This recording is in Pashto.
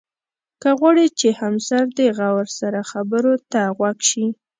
که غواړې چې همسر دې غور سره خبرو ته غوږ شي.